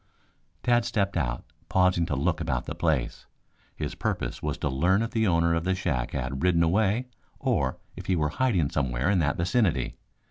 Tad stepped out, pausing to look about the place. His purpose was to learn if the owner of the shack had ridden away or if he were hiding somewhere in that vicinity.